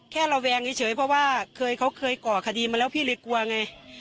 ระแวงเฉยเพราะว่าเขาเคยก่อคดีมาแล้วพี่เลยกลัวไง